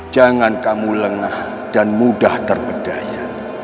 jangan kamu lengah dan mudah terpedaya